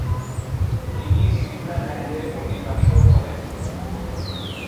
তিনি সুইজারল্যান্ডে অতিবাহিত করেন।